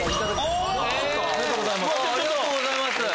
ありがとうございます！